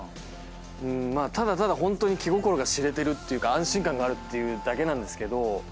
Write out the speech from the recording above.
ただただホントに気心が知れてるっていうか安心感があるっていうだけなんですけど。